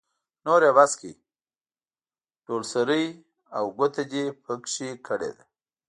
نور يې بس کړئ؛ ډول سری او ګوته دې په کې کړې ده.